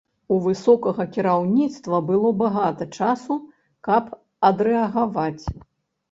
У высокага кіраўніцтва было багата часу, каб адрэагаваць.